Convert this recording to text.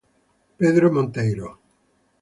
Pedro Monteiro